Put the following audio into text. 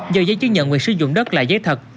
do giấy chứng nhận quyền sử dụng đất là giấy thật